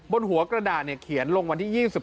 บนหัวกระดาษเขียนลงวันที่๒๓